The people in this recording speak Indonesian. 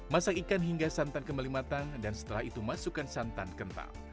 masak ikan hingga santan kembali matang dan setelah itu masukkan santan kental